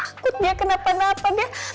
aku takut dia kenapa napa